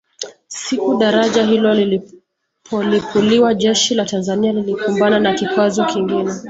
Siku daraja hilo lilipolipuliwa jeshi la Tanzania lilikumbana na kikwazo kingine